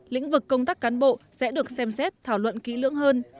lĩnh vực công tác cán bộ sẽ được xem xét thảo luận kỹ lưỡng hơn